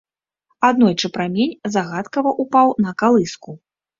Аднойчы прамень загадкава ўпаў на калыску.